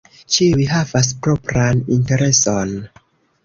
Ĉiuj havas propran intereson.